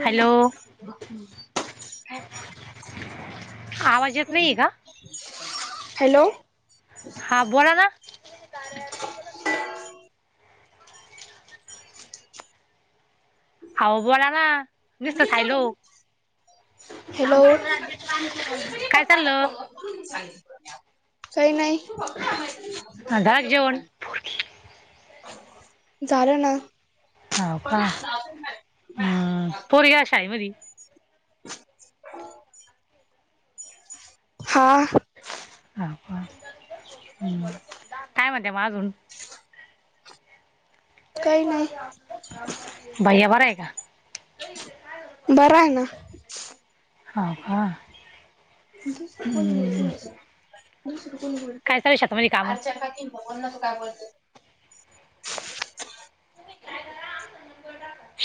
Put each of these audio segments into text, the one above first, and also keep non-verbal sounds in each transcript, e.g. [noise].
Hello आवाज येत नाही का. हॅलो हा बोला ना. [unintelligible] [unintelligible] अहो बोला ना नुसतच हॅलो. हॅलो काय चाललं. काही नाही. झालं का जेवण. झालं ना. होव का पोरी गेल्या शाळेमध्ये. हा. काय म्हणते मग अजून. काही नाही. भैया बरा आहे का. बराये ना हा का. हम्म. [inaudible] काय चालू आहे शेतामध्ये काम [inaudible]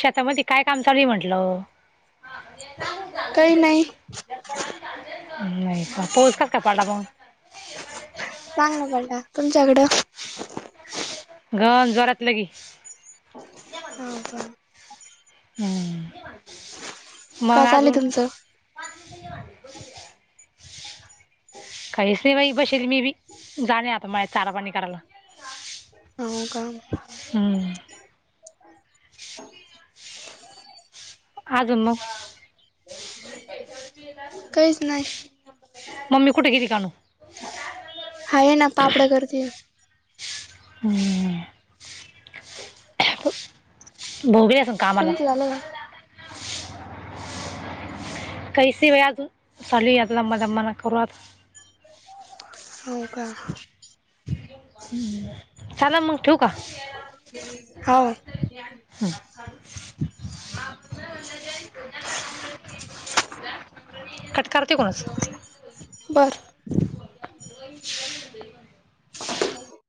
शेतामध्ये काय काम चालूय म्हंटलं. काही नाही नहीं का पाऊस कसकाय पडला मग चांगला पडला तुमच्याकडे. घ जोरात लगी हो का हम्म का मग चालेल अजून तुमचं [unintelligible] ते बाई बसेल मी बी जाणे आता मा चारापाणी करायला. हो का हम्म अजून मग. काहीच नाही मम्मी कुठे गेली कानु आहे ना पापड्या करते. हम्म भाऊ गेल असल कामाला. तुमचं झालं [unintelligible] होका हम्म चाला मग ठेऊ का? हो [unintelligible] कट कर तिकुनच. बरं. [inaudible] [inaudible]